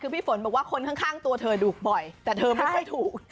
คือพี่ฝนบอกว่าคนข้างตัวเธอดุบ่อยแต่เธอไม่ค่อยถูก